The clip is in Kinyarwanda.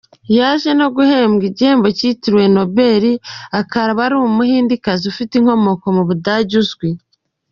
yaje no guherwa igihembo cyitiriwe Nobel, akaba ari umuhindekazi ufite inkomoko mu Budage, uzwi.